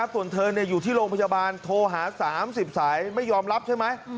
ส่วนเธออยู่ที่โรงพยาบาลโทรหา๓๐สายไม่ยอมรับใช่ไหม